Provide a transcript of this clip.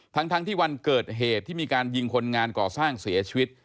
ทั้งที่วันเกิดเหตุที่มีการยิงคนงานก่อสร้างเสียชีวิต